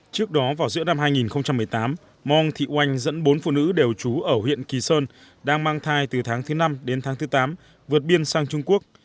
trước đó vào giữa năm hai nghìn một mươi tám mong thị oanh dẫn bốn phụ nữ đều trú ở huyện kỳ sơn đang mang thai từ tháng thứ năm đến tháng thứ tám vượt biên sang trung quốc